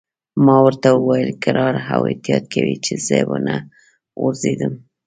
ما ورته وویل: کرار او احتیاط کوئ، چې زه و نه غورځېږم.